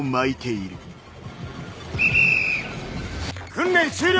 訓練終了！